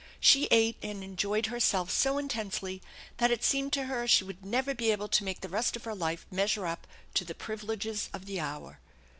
She ate and enjoyed herself so in tensely that it seemed to her she would never be able to make the rest of her life measure up to the privileges of the hour.